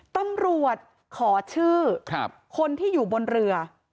ตำรวจขอชื่อคนที่อยู่บนเรือ